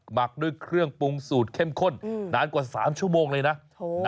หมักด้วยเครื่องปรุงสูตรเข้มข้นนานกว่าสามชั่วโมงเลยนะ